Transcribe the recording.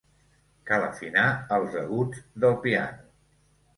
Cal afinar els aguts del piano.